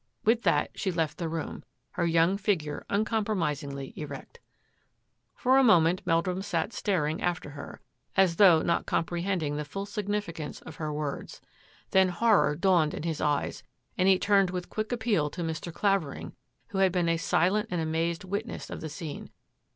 With that she left the room, her young figure uncompromisingly erect. For a moment Meldrum sat staring after her, as though not comprehending the full significance of her words. Then horror dawned in his eyes and he turned with quick appeal to Mr. Clavering, who had been a silent and amazed witness of the scene.